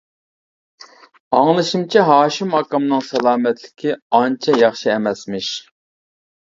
ئاڭلىشىمچە ھاشىم ئاكامنىڭ سالامەتلىكى ئانچە ياخشى ئەمەسمىش.